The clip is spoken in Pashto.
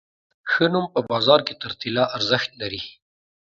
ښه نوم په بازار کې تر طلا ارزښت لري.